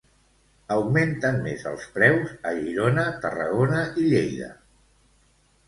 Augmenten més els preus a Girona, Tarragona i Lleida.